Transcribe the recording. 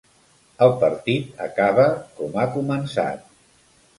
El partit acaba com ha començat.